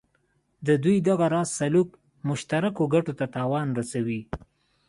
د دوی دغه راز سلوک مشترکو ګټو ته تاوان رسوي.